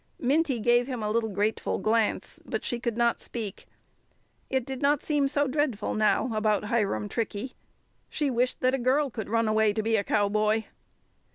Minty gave him a little grateful glance, but she could not speak. It did not seem so dreadful now about Hiram Trickey. She wished that a girl could run away to be a cowboy.